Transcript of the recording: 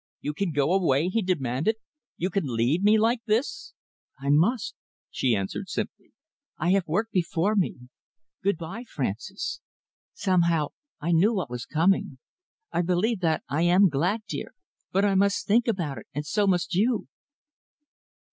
"You can go away?" he demanded. "You can leave me like this?" "I must," she answered simply. "I have work before me. Good by, Francis! Somehow I knew what was coming. I believe that I am glad, dear, but I must think about it, and so must you."